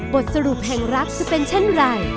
บทสรุปแห่งรักจะเป็นเช่นไร